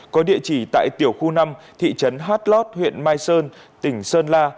có địa chỉ tại tiểu khu năm thị trấn hát lót huyện mai sơn tỉnh sơn la